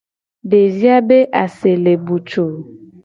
Devi a be ase le butuu.